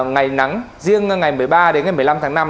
ngày nắng riêng ngày một mươi ba đến ngày một mươi năm tháng năm